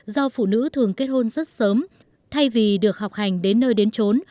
do phụ nữ thường kết hôn rất sớm thay vì được học hành đến nơi đến trốn